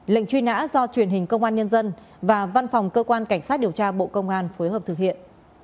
lệnh truy nã do truyền hình công an nhân dân và văn phòng cơ quan cảnh sát điều tra bộ công an phối hợp thực hiện